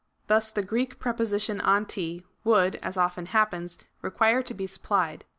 Thus the Greek preposition uvtl, would, as often happens, require to he sup plied.